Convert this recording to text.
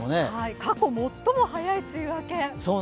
過去最も早い梅雨明け。